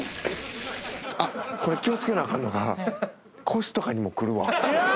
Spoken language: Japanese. あっこれ気をつけなあかんのが腰とかにもくるわ